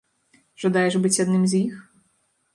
Жадаеш быць адным з іх?